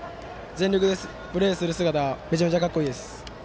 全力でプレーする姿めちゃくちゃかっこいいです。